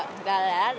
đã giành được thành tích